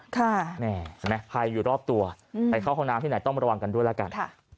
เห็นไหมภัยอยู่รอบตัวไปเข้าห้องน้ำที่ไหนต้องระวังกันด้วยแล้วกัน